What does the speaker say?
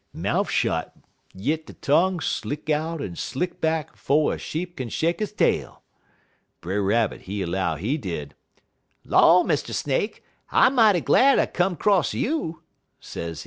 Mouf shot, yit de tongue slick out en slick back 'fo' a sheep kin shake he tail. Brer Rabbit, he 'low, he did: "'Law, Mr. Snake, I mighty glad I come 'cross you,' sezee.